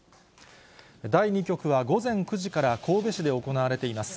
第２局は午前９時から神戸市で行われています。